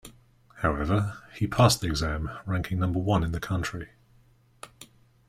However, he passed the exam, ranking number one in the country.